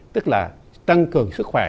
tức là tăng cường sức khỏe